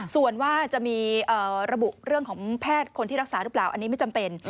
ส่วนว่าจะมีระบุเรื่องของแพทย์คนที่รักษาหรือเปล่าอันนี้ไม่จำเป็น